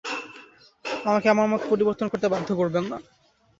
আমাকে আমার মত পরিবর্তন করতে বাধ্য করবেন না।